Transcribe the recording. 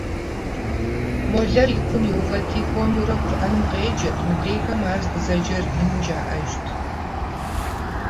Молэр и кум иувэрти, хуэмурэ КъурӀэным къеджэрт, мыдрейхэм ар къызэджэр ину жаӀэжырт.